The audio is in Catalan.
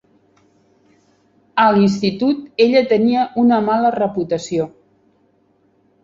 "A l'institut ella tenia una mala reputació."